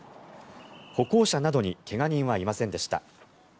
歩行者などに怪我人はいませんでした。